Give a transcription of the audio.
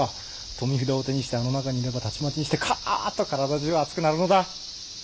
富札を手にしてあの中にいればたちまちにしてかっと体中熱くなるのだ。